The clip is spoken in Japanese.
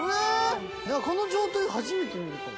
この状態初めて見るかも。